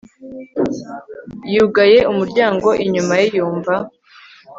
yugaye umuryango inyuma ye, yumva